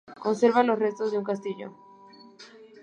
Conserva los restos de un castillo.